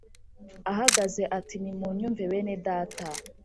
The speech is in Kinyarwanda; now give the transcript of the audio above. ahagaze ati Nimunyumve bene data